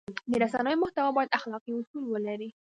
د رسنیو محتوا باید اخلاقي اصول ولري.